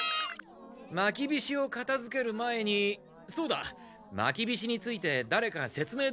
まきびしをかたづける前にそうだまきびしについてだれか説明できるか？